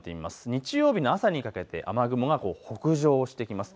日曜日の朝にかけて雨雲が北上してきます。